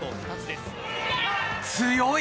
強い。